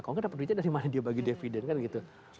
kalau nggak dapat duitnya dari mana dia bagi dividen kan gitu